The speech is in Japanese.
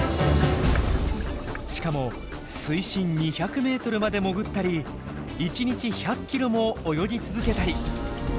しかも水深２００ｍまで潜ったり１日１００ｋｍも泳ぎ続けたり。